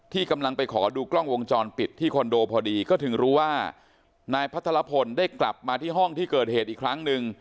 กำลังไปขอดูกล้องวงจรปิดที่คอนโดพอดีก็ถึงรู้ว่านายพัทรพลได้กลับมาที่ห้องที่เกิดเหตุอีกครั้งหนึ่ง